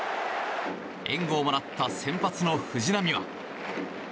援護をもらった先発の藤浪は。